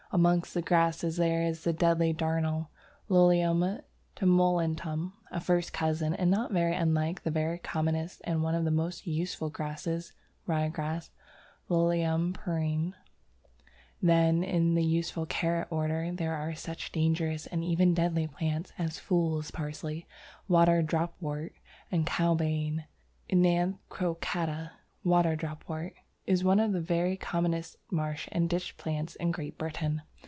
Amongst the grasses there is the deadly Darnel (Lolium temulentum), a first cousin and not very unlike the very commonest and one of the most useful grasses Rye Grass (Lolium perenne). Then in the useful Carrot order, there are such dangerous and even deadly plants as Fool's Parsley, Water Dropwort, and Cowbane. OEnanthe crocata (Water Dropwort) is one of the very commonest marsh and ditch plants in Great Britain.